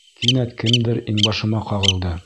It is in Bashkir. Кинәт кемдер иңбашыма ҡағылды.